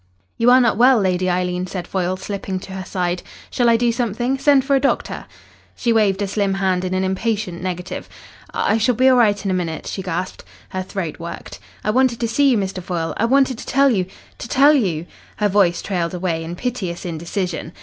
"You are not well, Lady Eileen," said Foyle, slipping to her side. "Shall I do something? send for a doctor?" She waved a slim hand in an impatient negative. "I I shall be all right in a minute," she gasped. Her throat worked. "I wanted to see you, Mr. Foyle. I wanted to tell you to tell you " Her voice trailed away in piteous indecision.